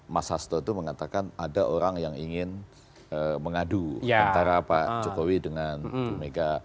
mas hasto itu mengatakan ada orang yang ingin mengadu antara pak jokowi dengan bu mega